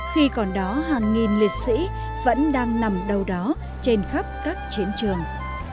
khi còn đó hàng nghìn liệt sĩ vẫn đang nằm đâu đó trên khắp các chiến trường